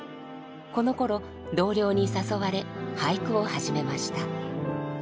このころ同僚に誘われ俳句を始めました。